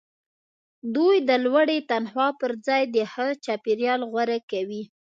دوی د لوړې تنخوا پرځای د ښه چاپیریال غوره کوي